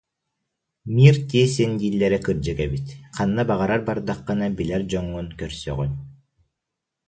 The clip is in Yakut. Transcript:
«Мир тесен» дииллэрэ кырдьык эбит, ханна баҕарар бардаххына билэр дьоҥҥун көрсөҕүн